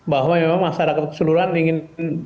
bahwa memang masyarakat keseluruhan ingin